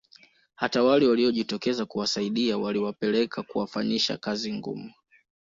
Hata wale waliojitokeza kuwasaidia waliwapeleka kuwafanyisha kazi ngumu